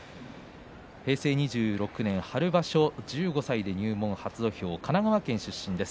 平成２６年春場所１５歳で入門を初土俵神奈川県出身です。